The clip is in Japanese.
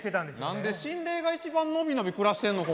何で心霊が一番伸び伸び暮らしてんの？